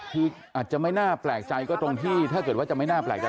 คืออาจจะไม่น่าแปลกใจก็ตรงที่ถ้าเกิดว่าจะไม่น่าแปลกใจ